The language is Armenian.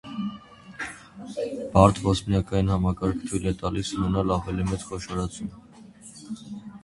Բարդ ոսպնյակային համակարգը թույլ է տալիս ունենալ ավելի մեծ խոշորացում։